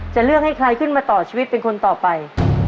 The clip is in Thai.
จะเลือกให้ใครขึ้นมาต่อชีวิตเป็นคนต่อไป